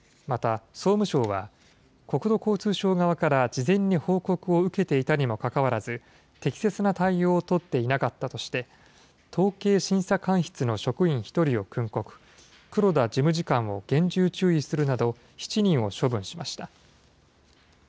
また、総務省は国土交通省側から事前に報告を受けていたにもかかわらず、適切な対応を取っていなかったとして、統計審査官室の職員１人を訓告、黒田事務次官を厳重注意するなど、７人を処分しました。